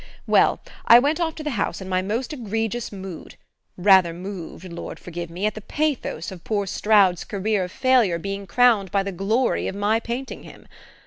"Well, I went off to the house in my most egregious mood rather moved, Lord forgive me, at the pathos of poor Stroud's career of failure being crowned by the glory of my painting him!